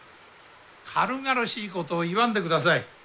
軽々しいことを言わんでください。